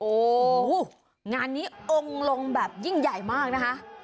โอ้โหงานนี้องค์ลงแบบยิ่งใหญ่มากนะคะ